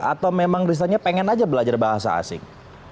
atau memang risetnya pengen aja belajar bahasa asing